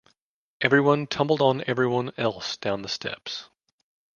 Everyone tumbled on everyone else down the steps.